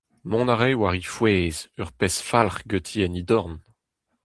Mont a rae war he fouez, ur pezh falc'h ganti en he dorn.